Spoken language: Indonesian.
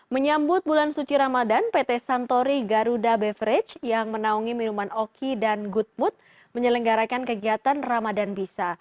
menyambut bulan suci ramadan pt santori garuda beverage yang menaungi minuman oki dan good mood menyelenggarakan kegiatan ramadan bisa